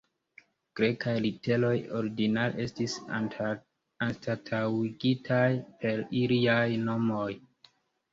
Grekaj literoj ordinare estis anstataŭigitaj per iliaj nomoj.